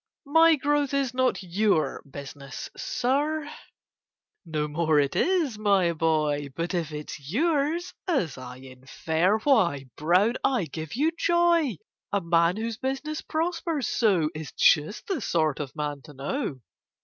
"My growth is not your business, Sir!" "No more it is, my boy! But if it's yours, as I infer, Why, Brown, I give you joy! A man, whose business prospers so, Is just the sort of man to know!